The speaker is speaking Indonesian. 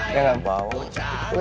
ya enak banget